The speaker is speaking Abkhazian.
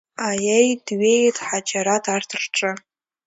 Аиеи, дҩеит Ҳаџьараҭ арҭ рҿы.